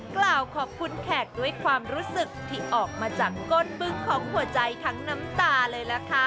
กล่าวขอบคุณแขกด้วยความรู้สึกที่ออกมาจากก้นบึงของหัวใจทั้งน้ำตาเลยล่ะค่ะ